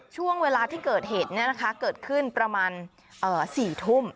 ช่วงเวลาที่เกิดเหตุเกิดขึ้นประมาณ๔ทุ่ม